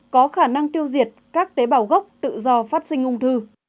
có khả năng tiêu diệt các tế bào gốc tự do phát sinh ung thư